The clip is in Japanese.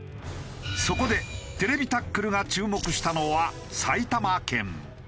そこで『ＴＶタックル』が注目したのは埼玉県。